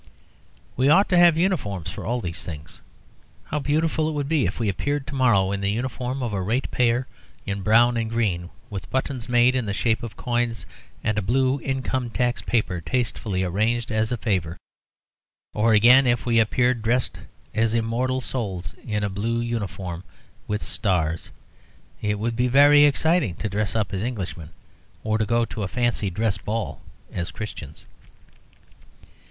We ought to have uniforms for all these things. How beautiful it would be if we appeared to morrow in the uniform of a ratepayer, in brown and green, with buttons made in the shape of coins, and a blue income tax paper tastefully arranged as a favour; or, again, if we appeared dressed as immortal souls, in a blue uniform with stars. It would be very exciting to dress up as Englishmen, or to go to a fancy dress ball as Christians.